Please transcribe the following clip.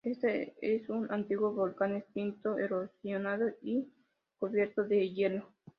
Este es un antiguo volcán extinto, erosionado y cubierto de hielo.